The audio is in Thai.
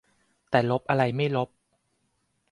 แต่ลบอะไรไม่ลบ